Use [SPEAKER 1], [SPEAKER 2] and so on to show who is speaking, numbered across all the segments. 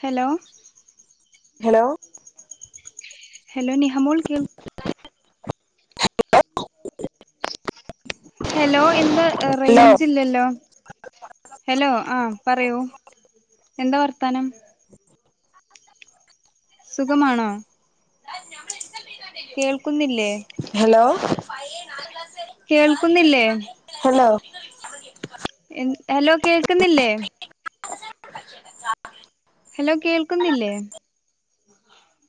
[SPEAKER 1] Hello
[SPEAKER 2] hello
[SPEAKER 1] hello നിഹാമോൾ കേൾ hello എന്താ
[SPEAKER 2] ഹലോ
[SPEAKER 1] റേഞ്ച് ഇല്ലല്ലോ ഹലോ ആ പറയൂ എന്താ പറ ത്താനം സുഖമാണോ
[SPEAKER 2] [unintelligible]
[SPEAKER 1] കേൾക്കുന്നില്ലേ
[SPEAKER 2] ഹലോ [unintelligible]
[SPEAKER 1] കേൾക്കുന്നില്ലേ
[SPEAKER 2] ഹലോ
[SPEAKER 1] ഹലോ കേൾക്കുന്നില്ലേ
[SPEAKER 2] [inaudible]
[SPEAKER 1] ഹലോ കേൾക്കുന്നില്ലേ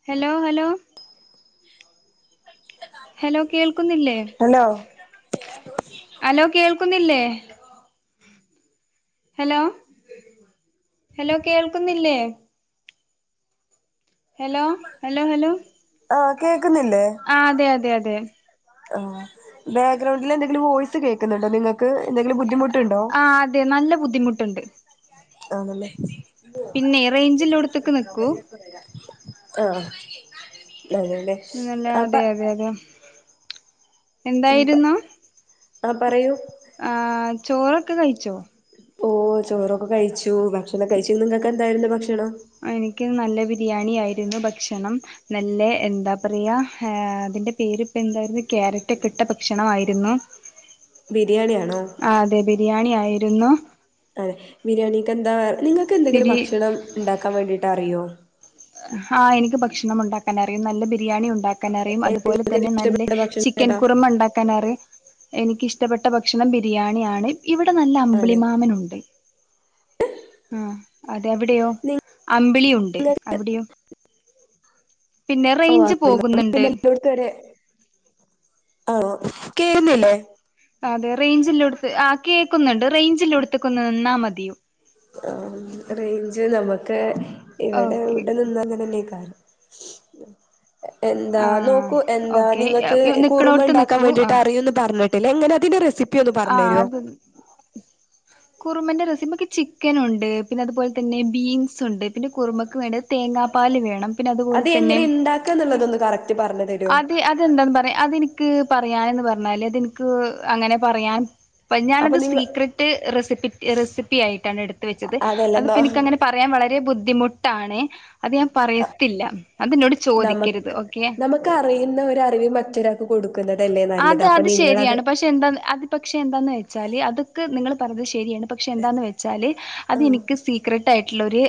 [SPEAKER 1] ഹലോ ഹലോ ഹലോ കേൾക്കുന്നില്ലേ
[SPEAKER 2] ഹലോ
[SPEAKER 1] ഹലോ കേൾ ക്കുന്നില്ലേ ഹലോ ഹലോ കേൾക്കുന്നില്ലേ ഹലോ ഹലോ ഹലോ
[SPEAKER 2] ആഹ് കേക്കുന്നില്ലേ
[SPEAKER 1] ആ അതെ അതെ അതെ
[SPEAKER 2] ആ ബാക്ക്ഗ്രൗണ്ടിൽ എന്തെങ്കിലും വോയ്സ് കേക്കുന്നുണ്ടോ നിങ്ങൾക്ക് എന്തെങ്കിലും ബുദ്ധിമുട്ട്
[SPEAKER 1] ആ അതെ നല്ല ബുദ്ധിമുട്ടുണ്ട്
[SPEAKER 2] ആണല്ലേ
[SPEAKER 1] പിന്നെ റെയ്ഞ്ചില്ലോട്ത്ത്ക്ക് നിക്കൂ
[SPEAKER 2] ആ
[SPEAKER 1] പിന്നല്ല അതെ അതെ അതെ എന്തായിരുന്നു
[SPEAKER 2] ആ പറയൂ
[SPEAKER 1] ആ ചോറൊക്കെ കഴിച്ചോ
[SPEAKER 2] ഓ ചോറൊക്കെ കഴിച്ചു ഭക്ഷണം കഴിച്ചു നിങ്ങൾക്കെ ന്തായിരുന്നു ഭക്ഷണം
[SPEAKER 1] അ എനിക്ക് നല്ല ബി ബിരിയാണി ആയിരുന്നു ഭക്ഷണം നല്ല എന്താ പറയ ഹാ അതിന്റെ പേരിപ്പെ എന്താര്ന്നു ക്യാരറ്റെ‌ക്കിട്ട ഭക്ഷണമായ്രുന്നു
[SPEAKER 2] ബിരിയാണിയാണോ
[SPEAKER 1] ആഹ് അതെ ബിരിയാണി ആയിരുന്നു
[SPEAKER 2] അതെ ബിരിയാണിക്ക് എന്താ വേറെ നിങ്ങക്ക് എന്തെങ്കിലും
[SPEAKER 1] ബിരി
[SPEAKER 2] ഭക്ഷണം ഇണ്ടാക്കാൻ വേണ്ടിട്ടറിയോ
[SPEAKER 1] ഹാ എനിക്ക് ഭക്ഷണം ഉണ്ടാക്കാൻ അറിയും നല്ല ബിരിയാണി ഉണ്ടാ ക്കനറിയും അതുപോലെ
[SPEAKER 2] നിങ്ങൾക്ക്
[SPEAKER 1] തന്നെ
[SPEAKER 2] ഏറ്റവും
[SPEAKER 1] നല്ല
[SPEAKER 2] ഇഷ്ടപ്പെട്ട ഭക്ഷണം
[SPEAKER 1] ചിക്കൻ
[SPEAKER 2] ഏതാ
[SPEAKER 1] കുർമ ഉണ്ടാക്കാനറി എനിക്കിഷ്ടപ്പെട്ട ഭക്ഷണം ബിരിയാണിയാണ് ഇവിടെ നല്ല അമ്പിളി
[SPEAKER 2] ആണ്
[SPEAKER 1] മാമനുണ്ട് ആഹ് അതെവിടെയോ അമ്പിളിയുണ്ട് അവിടെയോ പിന്നെ
[SPEAKER 2] ഓ
[SPEAKER 1] റേഞ്ച്
[SPEAKER 2] അവിടുന്നാണ്
[SPEAKER 1] പോകുന്നുണ്ട്
[SPEAKER 2] പിന്നെ ഓഹ് കേറുന്നില്ലേ
[SPEAKER 1] അതെ റെയ്ഞ്ചില്ലോട്ത്ത് ആഹ് കേക്കുന്നുണ്ട് റേഞ്ചില്ലോട്ത്ത് ക്കൊന്ന് നിന്നാ മതി
[SPEAKER 2] ആഹ് റേഞ്ച് നമ്മുക്ക് ഇവിടെ
[SPEAKER 1] ഓക്കെ
[SPEAKER 2] വിടെ നിന്ന അങ്ങനെക്കറും എന്താ
[SPEAKER 1] ആഹ്
[SPEAKER 2] നോക്കൂ എന്താ
[SPEAKER 1] ഓക്കെ
[SPEAKER 2] നിങ്ങക്ക് കുറുമ
[SPEAKER 1] നിക്ക്ണോട്ത്ത്
[SPEAKER 2] ഉണ്ടാക്കാൻ
[SPEAKER 1] നിക്കൂ
[SPEAKER 2] വേണ്ടിട്ട്
[SPEAKER 1] ആഹ്
[SPEAKER 2] അറിയൂന്ന് പറഞ്ഞ്. ത് ലെങ്ങനെതിന്റെ റെസി
[SPEAKER 1] ആഹ് അത് കുറുമന്റെ രസിമ ക്ക് ചിക്കനൊണ്ട്, പിന്നെ അതുപോൽ തന്നെ ബീൻസുണ്ട്, പിന്നെ കുറുമക്ക് വേണ്ടത് തേങ്ങാപ്പാല് വേണം. പിന്നതുപോലെ
[SPEAKER 2] അത്
[SPEAKER 1] തന്നെ
[SPEAKER 2] എങ്ങനെ ഇണ്ടാക്കാ എന്നുള്ളതൊന്ന് കറക്റ്റ് പറഞ്ഞു തരോ
[SPEAKER 1] അത് അതെന്താന്ന് പറയാ, അതെനിക്ക് പറയാനന്ന് പറഞ്ഞാല് അത് എനിക്ക് അങ്ങനെ പറയാൻ അപ്പ
[SPEAKER 2] അപ്പൊ
[SPEAKER 1] ഞാനത്
[SPEAKER 2] നിങ്ങ
[SPEAKER 1] സീക്രട്ട് റെസിപ്പി റെസിപ്പിയായിട്ടാണ് എടുത്ത് വെച്ചത്
[SPEAKER 2] അതല്ലെന്നാ
[SPEAKER 1] അതിപ്പോൾ എനിക്കങ്ങനെ പറയാൻ വളരെ ബുദ്ധി ബുദ്ധിമുട്ടാണെ
[SPEAKER 2] അ
[SPEAKER 1] ചോദിക്കരുത്
[SPEAKER 2] നമക്ക്
[SPEAKER 1] ഓക്കെ
[SPEAKER 2] നമുക്ക്റിയുന്ന ഒരറിവ് മറ്റൊരാക്ക് കൊടുക്കുന്ന
[SPEAKER 1] അത് അത് ശരിയാണ്, പക്ഷെ എന്താ അത് പക്ഷെ എന്താന്ന് വെച്ചാല് അത്ക്ക് നിങ്ങള് പർദ്ദശ് ശരിയാണ് പക്ഷെ എന്താന്ന് വെച്ചാല് അത്
[SPEAKER 2] ആഹ്
[SPEAKER 1] എനിക്ക് സീക്ര ട്ടായിട്ട്ള്ളൊരു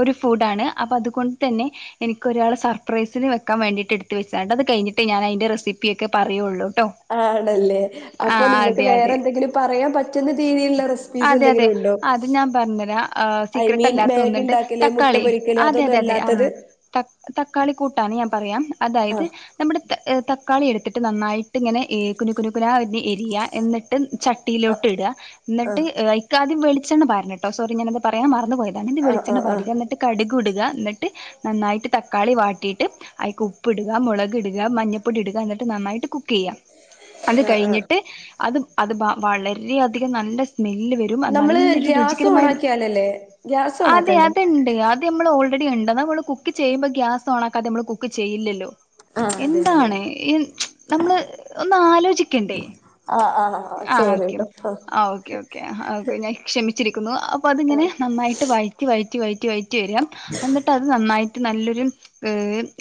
[SPEAKER 1] ഒരു ഫൂഡാണ് അപ്പതുകൊണ്ടതന്നെ എനിക്കൊരാള് സർപ്രൈസിന് വെക്കാ വേണ്ടിയിട്ട് എടുത്ത് വെച്ചാണ് അത് കഴിഞ്ഞിട്ട് ഞാൻ അയിൻ്റെ റെസിപ്പി ക്കെ പറയുള്ളൂ
[SPEAKER 2] ആഹ്ണല്ലേ അപ്പൊ
[SPEAKER 1] ആഹ്
[SPEAKER 2] നിങ്ങക്ക്
[SPEAKER 1] അതെ അതെ
[SPEAKER 2] വേറെന്തെങ്കിലും പറയാൻ പറ്റ് പറ്റ്ന്ന രീതില്ല
[SPEAKER 1] അതെ അതെ അത് ഞാൻ പറഞ്ഞരാ
[SPEAKER 2] ഐ മീൻ
[SPEAKER 1] സീക്രട്ടല്ലാത്ത
[SPEAKER 2] മാഗി
[SPEAKER 1] ഒന്ന്ണ്ട്
[SPEAKER 2] ഉണ്ടാക്കല് മുട്ട
[SPEAKER 1] തക്കാളി
[SPEAKER 2] പൊരിക്കല്
[SPEAKER 1] അതെ
[SPEAKER 2] അതൊന്നും
[SPEAKER 1] അതെ അതെ
[SPEAKER 2] അല്ലാത്തത്
[SPEAKER 1] ആഹ് തക്കാളി കൂട്ടാണ് ഞാൻ പറയാം അതായത്
[SPEAKER 2] ആഹ്
[SPEAKER 1] നമ്മ്ടെ തക്കാളി എടുത്തിട്ട് നന്നായി് ഇട്ടിങ്ങനെ എഹ് കുനുകുനുകുനാ എരിയ എന്നിട്ട് ചട്ടിയിലോട്ട് ഇഡാ എന്നിട്ട്
[SPEAKER 2] ആഹ്
[SPEAKER 1] എിക്ക ആദ്യം വിളിച്ചാണ്ണപറഞ്ഞ് കേട്ടോ സോറി ഞാനത് പറയാൻ മറന്ന് പോയ [unintelligible]
[SPEAKER 2] ആഹ്
[SPEAKER 1] വിളിച്ച
[SPEAKER 2] ആഹ്
[SPEAKER 1] പാരി
[SPEAKER 2] ആഹ്
[SPEAKER 1] എന്നിട്ട് കടുക് ടുക് ഇടുക എന്നിട്ട് നായിട്ട് തക്കാളി വാട്ടീട്ട് അയിക്ക് ഉപ്പിടുക, മുളകിടുക മഞ്ഞപ്പൊടി ഇടുക, മഞ്ഞപ്പൊടി ഇടുക എന്നിട്ട് നന്നായിട്ട് കുക്ക് ചെയ്യാം, അത്
[SPEAKER 2] ആഹ് ആഹ്
[SPEAKER 1] കഴിഞ്ഞിട്ട് അത് അത് വ വളരെയധികം നല്ല സ്മെല്ല് വരും ങ
[SPEAKER 2] നമ്മള്
[SPEAKER 1] നല്ലൊരു
[SPEAKER 2] ഗ്യാസ്
[SPEAKER 1] രുചികരമായ
[SPEAKER 2] ഓണാക്കിയാലല്ലേ ഗ്യാസ്
[SPEAKER 1] അതെ
[SPEAKER 2] ഓണാക്കണ്ടേ?
[SPEAKER 1] അതണ്ട് അ നമ്മൾ ഓൾറെഡി ഉണ്ട നമ്മള് കുക്ക് ചെയ്യുമ്പോൾ ഗ്യാസ് ഓ ആക്കാതെമ്മ കുക്ക് ചെയ്യില്ലല്ലോ?
[SPEAKER 2] ആഹ് അതെ അതെ
[SPEAKER 1] എന്താണ്
[SPEAKER 2] അതെ
[SPEAKER 1] ഇ നമ്മള് ഒന്ന് ആലോചിക്കണ്ടേ?
[SPEAKER 2] ആഹ് ആഹ് ആഹ്
[SPEAKER 1] ആ
[SPEAKER 2] സോറി
[SPEAKER 1] ഓക്കെ
[SPEAKER 2] ട്ടോ ആഹ്
[SPEAKER 1] ആ ഓക്കെ ഓക്കെ ഓക്കെ ഞാൻ ക്ഷമിച്ചിരിക്കുന്നു അപ്പൊ അതിങ്ങനെ
[SPEAKER 2] ആഹ്
[SPEAKER 1] നന്നായിട്ട് വഴറ്റി വഴറ്റി വഴറ്റി വഴറ്റി വരാം എന്നിട്ട് അത് നന്നായി ട്ട് നല്ലൊരു ഗ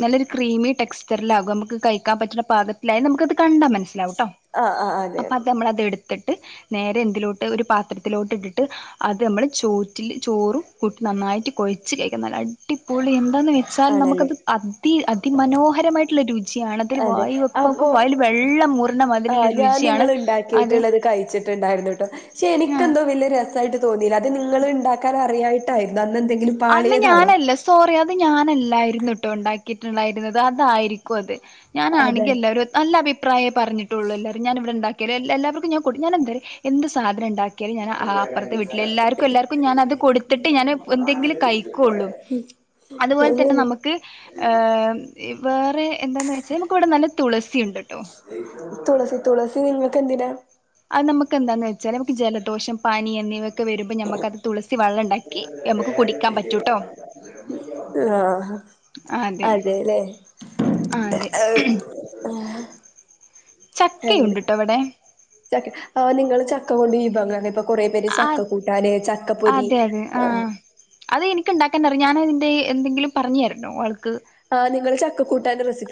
[SPEAKER 1] നല്ലൊരു ക്രീമി ടെസ്‌റ്ററിലാവും നമ്മുക്ക് കഴിക്കാൻ പറ്റണ പാകത്തിലായി നമുക്കത് കണ്ടാ മനസ്സിലാവൂട്ടോ?
[SPEAKER 2] ആഹ് ആഹ് അതെ
[SPEAKER 1] അത് നമ്മളത് എട് ത്തിട്ട് നേരെ എന്തിലോട്ട് ഒരു പാത്രത്തിലോട്ട് ഇട്ടിട്ട് അത് നമ്മൾ ചോറ്റിൽ ചോറും കൂട്ടി നന്നായിട്ട് കൊഴച്ച് കഴിക്കാം നല്ല അടിപൊളി എ ന്താന്ന് വെച്ചാൽ
[SPEAKER 2] ആണല്ലേ
[SPEAKER 1] നമുക്കത് അതി അതിമനോഹരമായിട്ടുള്ള രുചിയാണ് അതൊരു
[SPEAKER 2] അതെ
[SPEAKER 1] വായിവയ്ക്കുമ്പോ നമുക്ക്
[SPEAKER 2] അപ്പൊ
[SPEAKER 1] വായേൽ വെള്ളംമൂറുന്ന മാതിരില്ല രുചിയാണ് അത്
[SPEAKER 2] ഉണ്ടാക്കിയിട്ടുള്ളത് കഴിച്ചിട്ടുണ്ടായിരുന്നുട്ടോ പക്ഷെ
[SPEAKER 1] ആഹ്
[SPEAKER 2] എനിക്കന്തോ വലിയ രസായിട്ട് തോന്നീല അത് നിങ്ങൾ ണ്ടാക്കാൻ അറിയായിട്ട് ട്ടാ എന്താന്ന്
[SPEAKER 1] അന്ന് ഞാനല്ല സോറി അത് ഞാനല്ലായി രുന്ന്ട്ടോ ണ്ടാക്കീട്ടുണ്ടായിരുന്നത് അതായിരിക്കും അത്
[SPEAKER 2] അതെ
[SPEAKER 1] ഞാനാണെങ്കിൽ എല്ലാരും നല്ലപി പ്രായേ പറഞ്ഞിട്ടുള്ളൂല്ലാരും ഞാനിവിടെ ണ്ടാക്കിയാല് എല്ലാവർക്കും ഞാൻ കൊട് ഞാനെന്തായും എന്ത് സാധനണ്ടാ ക്കിയാലും ആ അപ്പർത്തെ വീട്ടിലെ എല്ലാർക്കും എല്ലാർക്കും ഞാനത് കൊട്ത്തിട്ട് ഞാന് എന്തെങ്കിലും കഴിക്കാെള്ളൂ അതുപോലെ തന്നെ നമ്ക്ക് വേറെ എന്താന്ന് വെച്ചാ നമുക്ക് ഇവിടെ നല്ല തുളസി ഉണ്ട്ട്ടോ
[SPEAKER 2] തുളസി തുളസി നിങ്ങൾക്ക് എന്തിനാ
[SPEAKER 1] അത് നമുക്ക് എന്താന്ന് വെച്ചാൽ ഞമക്ക് ജലദോഷം പനി എന്നിവ വരുമ്പോ നമുക്കത് തുളസി വള്ളം ഉണ്ടാക്കി നമുക്ക് കുടിക്കാൻ പറ്റൂട്ടോ
[SPEAKER 2] ആഹ്
[SPEAKER 1] അതെ
[SPEAKER 2] അതെല്ലേ
[SPEAKER 1] അതെ
[SPEAKER 2] ഏഹ്, ആഹ്,
[SPEAKER 1] ചക്കയുണ്ട്ട്ടോവടെ
[SPEAKER 2] ആ നിങ്ങള് ചക്ക കൊണ്ട് വിഭവങ്ങളൊ ഇപ്പൊ കൊറെ പേര്
[SPEAKER 1] ആ
[SPEAKER 2] ചക്ക കൂട്ടാന് ചക്കപ്പൊരി ആ
[SPEAKER 1] ക്ക്ണ്ടാക്കാനറിം ഞാനതിന്റെ എന്തെങ്കിലും പറഞ്ഞ് തരണോ ആൾക്ക്
[SPEAKER 2] ആ നിങ്ങള് ചക്കക്കൂട്ടാന്റെ റെസി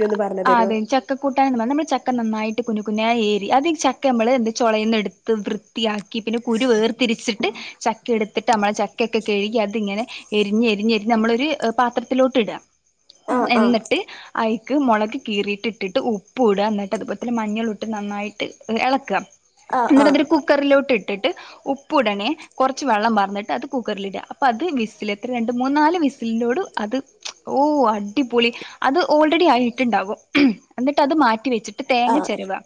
[SPEAKER 1] ആ അതെ ചക്കക്കൂട്ടാന്ന്ന് പറ നമ്മള് ചക്ക നന്നായിട്ട് കുനുകുന എ രി അത് ഇ ചക്ക അമ്മള് ത് ചൊളേന്ന് എടുത്ത് വൃത്തിയാ ക്കി പിന്നെ കുരു വേർതിരിച്ചിട്ട് ചക്ക എടുത്തിട്ട് അമ്മളെ ചക്കൊക്കെ കഴുകി അതിങ്ങനെ എരിഞ്ഞ് എരിഞ്ഞ് എരിഞ്ഞമ്മളൊര് പാത്രത്തിലോട്ട് ഇട
[SPEAKER 2] ആഹ് ആഹ്
[SPEAKER 1] എന്നിട്ട് അയി ക്ക് മൊള ക് കീറിട്ട് ഇട്ടിട്ട് ഉപ്പുട ന്നിട്ട് അതുപോലെ തന്നെ മഞ്ഞളും ഇട്ട് നന്നായിട്ട് എളക്ക
[SPEAKER 2] ആഹ് ആഹ്
[SPEAKER 1] എന്നിട്ടതൊരു കുക്കറിലോട്ട് ട്ടിട്ട് ഉപ്പുടണെ കൊറച്ച് വെള്ളം പാർന്നിട്ട് അത് കുകറിലിട അപ്പ അത് വിസില് പ് രണ്ട് മൂന്നാല് വിസിലിനോട് അത് ഓ അടിപൊളി അത് ഓൾറെഡി ആയി ട്ട്ണ്ടാവും എന്നിട്ട് അത് മാറ്റി വെച്ചി ട്ട് തേങ്ങ
[SPEAKER 2] ആഹ്
[SPEAKER 1] ചെരവാ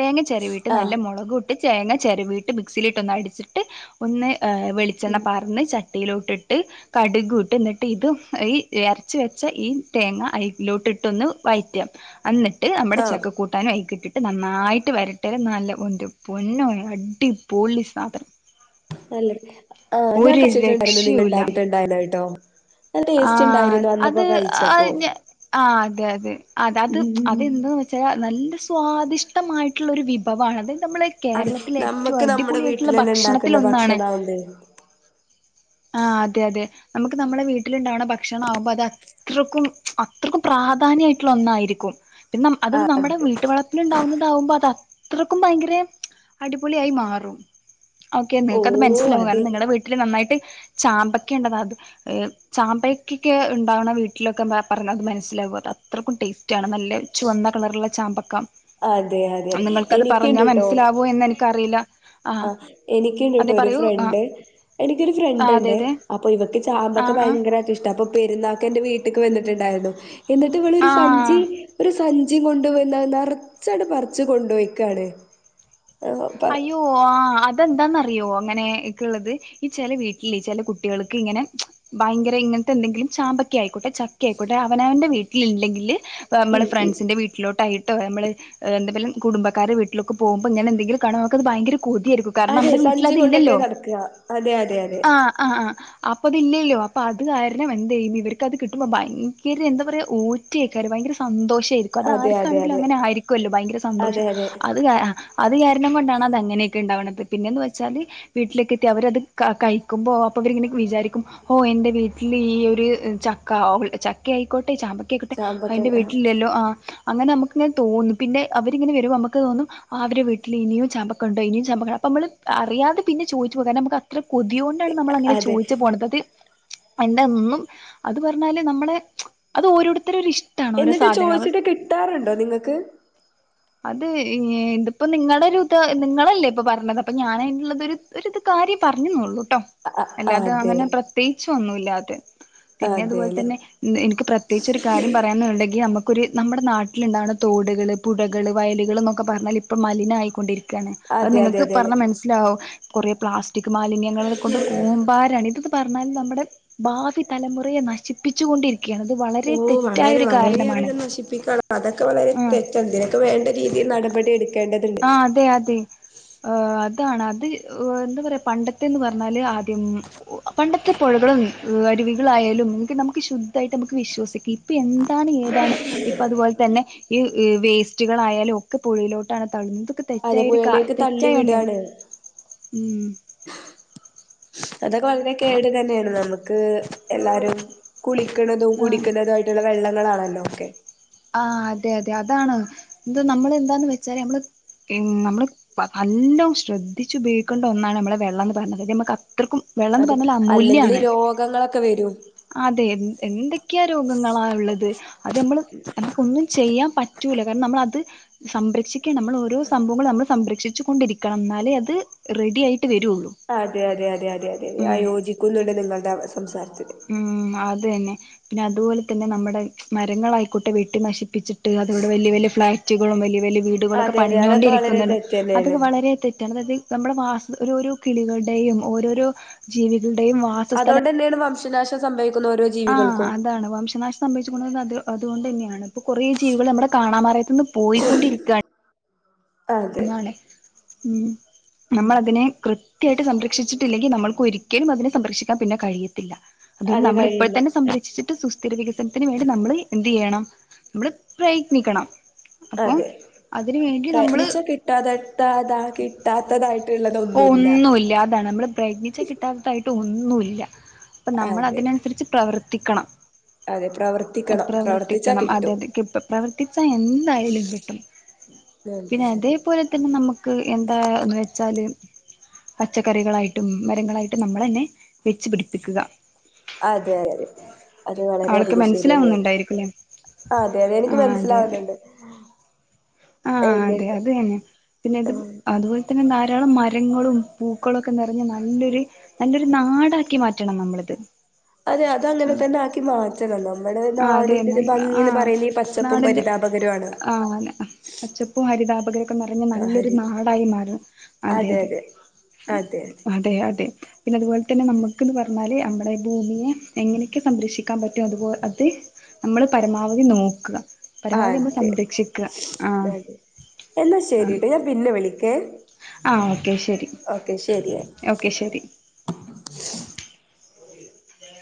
[SPEAKER 1] തേങ്ങ ചെരവിയിട്ട് നല്ല
[SPEAKER 2] ആഹ്
[SPEAKER 1] മൊളകും ഇട്ട് തേങ്ങ ചെരുവിയിട്ട് മിക്സിയിലിട്ട് ഒന്ന് അടിച്ചിട്ട് ഒന്ന് വെളിച്ചെണ്ണ
[SPEAKER 2] ഉം
[SPEAKER 1] പാർന്ന് ച ട്ടിയിലോട്ടിട്ട് കടുകു ഇട്ട് ന്നിട്ട് ഇത് ഈ അരച്ച് വെച്ച ഈ തേങ്ങ അയിലോട്ടിട്ടൊന്ന് വൈറ്റാ അന്നിട്ട് അമ്മടെ ചക്ക കൂട്ടാനും അയിക്കിട്ടി ട്ട് നന്നായിട്ട് വരട്ടെല് നല്ല ഒ ന്റ പൊന്നോ അടി പൊളി സാധനം.
[SPEAKER 2] നല്ലരുചിയ ആഹ് ഞാൻ
[SPEAKER 1] ഒരു
[SPEAKER 2] കയിച്ചിട്ടുണ്ടായിരുന്നു നിങ്ങ
[SPEAKER 1] രക്ഷയുല്ല
[SPEAKER 2] ണ്ടാക്കി ഉണ്ടായാനായിട്ടോ.
[SPEAKER 1] ആഹ് അത്
[SPEAKER 2] കഴിച്ചപ്പോ
[SPEAKER 1] ആഞ ആഹ് അതെ അതെ അതെ അത്
[SPEAKER 2] ഉം
[SPEAKER 1] അതെന്തന്ന് വെച്ചാ നല്ല സ് സ്വാദിഷ്ടമായിട്ടുള്ളൊരു വിഭവാണത്. നമ്മള്
[SPEAKER 2] അതെ
[SPEAKER 1] കേരളത്തിലെ ഏറ്റവും
[SPEAKER 2] നമ്മക്ക് നമ്മുടെ വീട്ടിൽ
[SPEAKER 1] അടിപൊളിയായിട്ടുള്ള
[SPEAKER 2] തന്നെ ഉണ്ടാക്കുന്ന
[SPEAKER 1] ഭക്ഷണത്തിലൊന്നാണ്.
[SPEAKER 2] ഭക്ഷണാവുമ്പേ
[SPEAKER 1] ആഹ് അതെ അതെ നമുക്ക് നമ്മളെ വീട്ടിലുണ്ടാവണ ഭക്ഷണ ആവുമ്പോ അത് അത്രക്കും അത്രക്കും പ്രാധാന്യായിട്ടുള്ള ഒന്നായിരിക്കും. പിന്ന അത്
[SPEAKER 2] ആഹ്
[SPEAKER 1] നമ്മടെ
[SPEAKER 2] അതെ
[SPEAKER 1] വീട്ട് വളപ്പില് ഇണ്ടാവുന്നതാവൂമ്പോ അത് അ അത്രക്കും ഭയങ്കര അടിപൊളി ആയി മാറും. ഓക്കെ
[SPEAKER 2] ഓ
[SPEAKER 1] നിങക്കത് മനസ്സിലാവും
[SPEAKER 2] അതെ
[SPEAKER 1] കാരണം നിങ്ങട വീട്ടില് നന്നായി ചാമ്പക്കയെണ്ടന്ന അത് ചാമ്പക്കെക്കെ ഇണ്ടാവണ വീട്ടിലൊക്കെ മ പർഞ്ഞത് മനസ്സിലാവത് അത്രക്കും ടേ റ്റാണ് നല്ല ചുവന്ന കളറ്ള്ള ചാമ്പക്ക.
[SPEAKER 2] അതെ അതെ അതെ
[SPEAKER 1] നിങ്ങൾക്കത് പറഞ്ഞാ
[SPEAKER 2] എനിക്കുണ്ട് ട്ടോ
[SPEAKER 1] മനസിലാവോ എന്ന് എനി തറില
[SPEAKER 2] ആഹ് എനിക്കിണ്ട് ട്ടോ ഒരു
[SPEAKER 1] ആഹ്
[SPEAKER 2] ഫ്രണ്ട് എനിക്കൊരു ഫ്രണ്ട്
[SPEAKER 1] ആഹ് അതെ
[SPEAKER 2] ണ്ട്
[SPEAKER 1] അതെ
[SPEAKER 2] അപ്പൊ ഇവക്ക് ചാമ്പക്ക
[SPEAKER 1] ആഹ് ആഹ്
[SPEAKER 2] ഭയങ്കരായിട്ട് ഇഷ്ട അപ്പൊ പെരുന്നാക്ക് എന്റെ വീട്ട്ക്ക് വന്നിട്ടുണ്ടായിരുന്നു എന്നിട്ട് ഇവിളൊരു സഞ്ചി
[SPEAKER 1] ആഹ്
[SPEAKER 2] ഒരുസ് സഞ്ചി കൊണ്ട് വന്ന നർച്ചാണ്ട് പർച്ച് കൊണ്ടൊയക്കാണ്
[SPEAKER 1] അയ്യോ ആഹ് അ അതെന്താന്നറിയോ അങ്ങനെക്കള്ളത് ഈ ചെല വീട്ടില് ചെല കുട്ടികൾക്ക് ഇങ്ങനെ ഭയങ്കര ഇങ്ങൻത്തെന്തെങ്കിലും ചാമ്പക്കായിക്കോട്ടെ ചക്ക ആയിക്കോട്ടെ അവനാന്റെ വീട്ടില് ല്ലെങ്കില് നമ്മള്
[SPEAKER 2] ഉം ഉം
[SPEAKER 1] ഫ്രണ്ട്സിന്റെ വീട്ടിലോട്ടയ് ട്ടൊ അമ്മള് എന്തായാലും കുടുംബാക്കാരെ വീട്ടിലൊക്കെ പോകുമ്പങ്ങനെ എന്തങ്കിലും കണ ക്കത് ഭയങ്കര കൊതിയെടുക്കും കാരണം
[SPEAKER 2] അതെ
[SPEAKER 1] നമ്മുടെ
[SPEAKER 2] സഞ്ചി
[SPEAKER 1] വീട്ടിലത്
[SPEAKER 2] കൊണ്ടൊക്കെ
[SPEAKER 1] ല്ലല്ലോ
[SPEAKER 2] നടക്കുക അതെ അതെ അതെ
[SPEAKER 1] ആഹ് ആഹ് ആ അപ്പൊ അതില്ലല്ലോ അപ്പൊ അത് കാരണം എന്ത് ചെയ്യ ഇവർക്കത് കിട്ടുമ്പോ ഭയങ്കര എന്താ പറയ്യാ ഓറ്റ്യേക്കാര് ഭയങ്കര സന്തോഷം. ക്കും അത്
[SPEAKER 2] അതെ അതെ
[SPEAKER 1] ആർക്കാണെങ്കിലും
[SPEAKER 2] അതെ
[SPEAKER 1] അങ്ങനെ ആരിക്കല്ലോ ഭയങ്കര
[SPEAKER 2] അതെ
[SPEAKER 1] സന്തോഷം
[SPEAKER 2] അതെ
[SPEAKER 1] അത് ആ അത് ങ്ങനെയൊക്കെ ഉണ്ടാവത് പിന്നെന്ന് വെച്ചാല് വീട്ടിലേക്ക് എത്തി അവരത് കഴിക്കുമ്പോ അപ്പൊ അവങ്ങനെ വിചാരിക്കും എന്റെ വീട്ടിൽ ഈ ഒരു ചക്ക ചക്ക ആയിക്കോട്ടെ. ട്ടെ ചാമ്പക്കെക്കിട്ടിയാ
[SPEAKER 2] ചാമ്പൊക്കെ
[SPEAKER 1] അതിന്റെ
[SPEAKER 2] ആ
[SPEAKER 1] വീട്ടിലില്ലല്ലോ ആഹ് അങ്ങനെ നമുക്കിങ്ങനെ തോന്നും പിന്നെ അവരിങ്ങനെ വരുമ്പോ നമുക്ക് തോന്നും ആവര് വി ട്ടിലിനിയും ചമ്പക്കണ്ടോ ഇനിയും ചാമ്പക്ക് അപ്പൊ നമ്മള് അറിയാതെ പിന്നെ ചോദിച്ചു പോകും കാരണം നമു അ കൊതിയോണ്ടാണ് നമ്മളങ്ങനെ
[SPEAKER 2] അതെ
[SPEAKER 1] ചോദിച്ച് പോണതത് എന്തന്നും അത് പറഞ്ഞാല് നമ്മളെ അത് ഓരോരുത്തരൊരു ഇഷ
[SPEAKER 2] എന്നിട്ട് ചോദിച്ചിട്ട് കിട്ടാറുണ്ടോ നിങ്ങക്ക്
[SPEAKER 1] അത് ഏന്ത് ഇപ്പോ നിങ്ങടൊരു ഇത് നിങ്ങളല്ലേ ഇപ്പോ പറഞ്ഞത് അപ്പ ഞാനതിന്റുള്ളതൊരു ഒരു ഇത് കാര്യം പറഞ്ഞുന്നുള്ളൂ ട്ടോ
[SPEAKER 2] അ-
[SPEAKER 1] അല്ലാതെ
[SPEAKER 2] അതെ
[SPEAKER 1] അങ്ങനെ പ്രത്യേകിച്ച് ഒന്നു ഇല്ലാതെ പിന്നെ
[SPEAKER 2] അതെല്ലെ
[SPEAKER 1] അതുപോലത്തന്നെ എനിക്ക് പ്രത്യേകിച്ചൊരു കാര്യം പറയണന്നുണ്ടെങ്കി നമ്മ ഒരു നമ്മുടെ നാട്ടിലുണ്ടാവണ തോടുകള് പുഴകള് വയലുകള് ന്നൊക്കെ പറഞ്ഞാല് ഇപ്പം മലിനായിക്കൊണ്ടിരി ക്കാണ് അത്
[SPEAKER 2] അതെ അതെ
[SPEAKER 1] നിങ്ങൾക്ക്
[SPEAKER 2] അതെ അതെ
[SPEAKER 1] പറഞ്ഞാ മനസ്സിലാവും കുറേ പ്ലാസ് റ്റിക്ക് മാലിന്യങ്ങളെ കൊണ്ട് കൂമ്പാരാണ് ഇത് പറഞ്ഞാൽ നമ്മുടെ ഭാവി തലമുറയെ നശിപ്പിച്ചുകൊണ്ടിരി
[SPEAKER 2] ഓ വളരെ വളരെ അധികം നശിപ്പിക്കാ [unintelligible] അതൊക്കെ വളരെ
[SPEAKER 1] ആഹ്
[SPEAKER 2] തെറ്റാ ഇതിനൊക്കെ വേണ്ട രീതിയിൽ നട പടിയെട്
[SPEAKER 1] ആഹ് അതെ അതെ ആഹ് ത്താണ് അത് ഏഹ് എന്താ പറയ പണ്ടത്തെന്ന് പറഞ്ഞാല് ആദ്യം പണ്ടത്തെ പുഴകളും ഏഹ് അരുവികളായാലും ഒക്കെ നമുക്ക് ശുദ്ധായിട്ട് നമുക്ക് വിശ്വസിക്കാം പ്പ എന്താണ് ഏതാണ് ഇപ്പ അതുപോലെ തന്നെ ഈ വേസ് റ്റ്കളായാലും ഒക്കെ പുഴയിലോട്ട് തള്ളും ഇതൊക്കെ
[SPEAKER 2] അത്
[SPEAKER 1] തെറ്റായ ഒരു കാ
[SPEAKER 2] പുഴയിലേക്ക് തള്ളി
[SPEAKER 1] തെറ്റായ ഒന്ന
[SPEAKER 2] വിടാണ്
[SPEAKER 1] ഉം
[SPEAKER 2] അതൊക്കെ വളരെ കേട് തന്നെയാണ് നമുക്ക് എല്ലാരും കുളിക്കണതും
[SPEAKER 1] ആ
[SPEAKER 2] കുടിക്കുന്നതായിട്ടുള്ള വെള്ളം ങ്ങളാണല്ലോ ഒക്കെ
[SPEAKER 1] ആ അതെ അതെ അതാണ് ഇത് നമ്മള് എന്താന്ന് വെച്ചാലേ നമ്മള് [unintelligible] നമ്മള് പ നല്ലോ ശ്രദ്ധിച്ചു ഉപയോഗിക്കണ്ട ഒന്നാണ് നമ്മളെ വെള്ളംന്ന് പറഞ്ഞത് അത് നമ്മക്ക്
[SPEAKER 2] അതെ അല്ലെങ്കില് രോഗങ്ങളൊക്കെ വരും
[SPEAKER 1] അതെ എ എന്തൊക്കെയാ രോഗങ്ങളാ ഇള്ളത് അത് നമ്മള് നമുക്കൊന്നും ചെയ്യാൻ പറ്റൂല കാരണം നമ്മളത് സംരക്ഷി ക്കെ നമ്മളോരോ സംഭവങ്ങൾ നമ്മള് സംരക്ഷി ച്ചു കൊണ്ടിരിക്കണം എന്നാലേ അത് റെഡി ആയി
[SPEAKER 2] അതെ അതെ അതെ അതെ അതെ ഞാൻ
[SPEAKER 1] ഉം
[SPEAKER 2] യോജിക്കുന്നുണ്ട് നിങ്ങൾടെ അവസ്ഥ [unintelligible]
[SPEAKER 1] ഉം അതന്നെ പിന്നെ അതുപോലെ തന്നെ നമ്മുടെ മരങ്ങളായിക്കോട്ടെ വെട്ടി നശിപ്പിച്ചിട്ട് അത്‌വിടെ വല്യ വല്യ ഫ്ളാ [unintelligible] വല്യ വല്ല് വീടുകളൊക്കെ
[SPEAKER 2] അതെ അതെ അതൊക്കെ വളരെ
[SPEAKER 1] പണിഞ്ഞോണ്ടിരിക്കുന്നുണ്ട്
[SPEAKER 2] തെറ്റ് തന്നെയാണ്
[SPEAKER 1] അതൊക്കെ വളരെ തെറ്റാണ് അതായത് നമ്മളെ വാസ ഒരുഒരു കിളികളുടെയും ഓരോരോ ജീവി [unintelligible] വാസസ്ഥല
[SPEAKER 2] [unintelligible] നാശം സംഭവി
[SPEAKER 1] ആ അതാണ് വംശനാശം സംഭവിച്ചു കൊണ്ട് രിന്ന അത് അതുകൊണ്ടന്നെയാണ് ഇപ്പൊ കുറേ ജീവികൾ നമ്മടെ കാണാ മറയത്ത്‌ [unintelligible] പോയിക്കൊണ്ടിരിക്ക
[SPEAKER 2] അതെ
[SPEAKER 1] ഉം നമ്മള അതിനെ കൃത്യായിട്ട് സംരക്ഷിച്ചിട്ടില്ലെങ്കി നമ്മൾക്ക് ഒ രി [unintelligible] അതിനെ സംരക്ഷിക്കാൻ പിന്നെ കഴിയത്തില്ല അതുകൊണ്ട്
[SPEAKER 2] അതെ
[SPEAKER 1] നമ്മള ഇപ്പഴത്തനെ
[SPEAKER 2] കഴിയില്ല
[SPEAKER 1] തന്നെ സംരക്ഷിച്ചിട്ട് സുസ്ഥിര വികസനത്തിന് വേണ്ടി നമ്മള് [unintelligible] നമ്മള് പ്രയത്നിക്കണം അപ്പം അതിന് വേണ്ടി നമ്മള്
[SPEAKER 2] ട തട്ടാതകിട്ടാത്തതായിട്ട്
[SPEAKER 1] ഒന്നൂല്ല്യാതാണ് നമ്മള് പ്രത്നിച്ച കിട്ടാത്തതായിട്ട് ഒന്നു ഒന്നുല്ലാ അപ്പ നമ്മള്
[SPEAKER 2] അതെ
[SPEAKER 1] അതിനനുസരിച്ച് പ്രവർ തിക്കണ
[SPEAKER 2] അതെ പ്രവർത്തിക്കണം പ്രവർത്തിച്ചാ
[SPEAKER 1] പ്രവർത്തിക്കണം അതെ
[SPEAKER 2] കിട്ടും
[SPEAKER 1] അതെ ഇപ്പ പ്രവർത്തിച്ച എന്തായാലും കിട്ടും പിന്നെ അതെ പോലെ തന്നെ നമ്മക്ക് എന്താന്ന് വെച്ചാല് പച്ചക്കറികളായിട്ടും മരങ്ങളായിട്ടും നമ്മള് തന്നെ വെച്ച് പിടിപ്പിക്കുക
[SPEAKER 2] അതെ അതെ അത് വളരെ
[SPEAKER 1] ആൾക്ക്
[SPEAKER 2] അധികം ശെരിയന്നേണ്
[SPEAKER 1] മനസ്സിലാവുന്നുണ്ടായിരിക്കുംല്ലേ
[SPEAKER 2] അതെ അതെ
[SPEAKER 1] ആ
[SPEAKER 2] എനിക്ക്
[SPEAKER 1] അതെ അതെ
[SPEAKER 2] മനസ്സിലാവുന്നുണ്ട്
[SPEAKER 1] ആ അതെ
[SPEAKER 2] എന്നിട്ട്
[SPEAKER 1] അത് തന്നെ പിന്നെ ഇത്
[SPEAKER 2] ആഹ്
[SPEAKER 1] അത് [unintelligible] പിന്നെ ധാരാളം മരങ്ങളും പൂക്കളും ഒക്കെ നിറഞ്ഞ നല്ലൊര് നല്ലൊരുനാടാക്കിമാറ്റണം നമ്മളിത്
[SPEAKER 2] അതേ അതങ്ങനെ തന്നെ ആക്കി. അറ്റാനാ.
[SPEAKER 1] ആ അതു തന്നെ ആ
[SPEAKER 2] പച്ചപ്പും
[SPEAKER 1] നാടിന്റെ
[SPEAKER 2] പരിതാപകരമാണ്
[SPEAKER 1] ആഹ് പച്ചപ്പും ഹരിതഭം ഓക്കെ നിറഞ്ഞ നല്ലൊരു
[SPEAKER 2] ആഹരി
[SPEAKER 1] നാടയ് മാറണം അതെ അതെ
[SPEAKER 2] അതെ
[SPEAKER 1] അതെ അതെ. പിന്നെ അതു പോലെ തന്നെ നമ്മക്ക് എന്ന് പറഞ്ഞാല് നമ്മുടെ ഭൂമിയെ എങ്ങനെയൊക്കെ സംരക്ഷിക്കാൻ പറ്റോ അതുപോലെ ത് നമ്മള് പരമാവധി നോക്കണം.
[SPEAKER 2] അതെ അതെ എന്നാ
[SPEAKER 1] ആ
[SPEAKER 2] ശെരിടാ ഞാൻ പിനെ വിളിക്കാം. ക്കെ
[SPEAKER 1] ഓക്കെ ശെരി
[SPEAKER 2] ശരിയാ
[SPEAKER 1] ഓക്കെ ശെരി